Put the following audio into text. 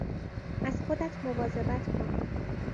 از خودت مواظبت کن.